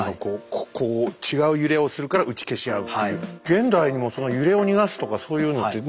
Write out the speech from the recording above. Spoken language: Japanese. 現代にもその揺れを逃がすとかそういうのってね